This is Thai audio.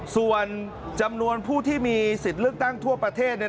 ส่วนจำนวนผู้ที่มีสิทธิ์เลือกตั้งทั่วประเทศ